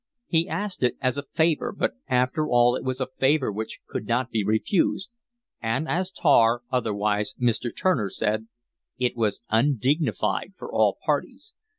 He asked it as a favour, but after all it was a favour which could not be refused, and as Tar, otherwise Mr. Turner, said, it was undignified for all parties.